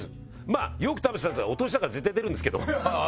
「まあよく食べてたっていうかお通しだから絶対出るんですけど」